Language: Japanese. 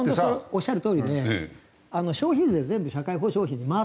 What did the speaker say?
おっしゃるとおりで消費税全部社会保障費に回ってませんから。